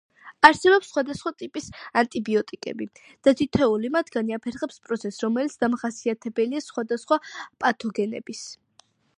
არსებობს სხვადასხვა ტიპის ანტიბიოტიკები და თითეული მათგანი აფერხებს პროცეს რომელიც დამახასიათებელია სხვადასხვა პათოგენების.